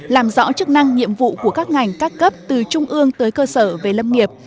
làm rõ chức năng nhiệm vụ của các ngành các cấp từ trung ương tới cơ sở về lâm nghiệp